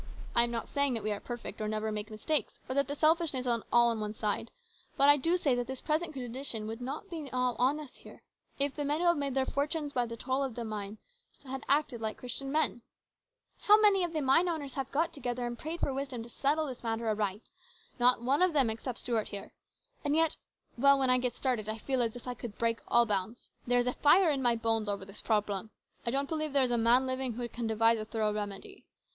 I am not saying that we are perfect, or never make mistakes, or that the selfishness is all on one side ; but I do say that this present condition would not now be on us here if the men who have made their fortunes by the toil of the miners had acted like Christian men. How many of COMPLICATIONS. 203 the mine owners have got together and prayed for wisdom to settle this matter aright ? Not one of them, except Stuart here. And yet well, when I get started, I feel as if I could break all bounds. There is a fire in my bones over this problem. I don't believe there is a man living who can devise a thorough remedy.